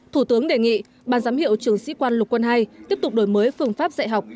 thủ tướng đề nghị ban giám hiệu trường sĩ quan lục quân ii tiếp tục đổi mới phương pháp dạy học